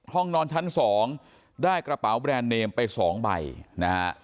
ห้องนอนชั้น๒ได้กระเป๋าแบรนด์เนมไป๒ใบนะฮะ